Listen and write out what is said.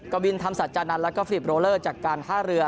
กวินธรรมสัจจานันทร์แล้วก็ฟิตโรเลอร์จากการท่าเรือ